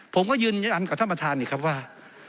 ผมก็ยืนยันกับท่านประธานอีกครับว่า